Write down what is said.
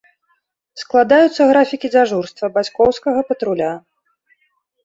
Складаюцца графікі дзяжурства бацькоўскага патруля.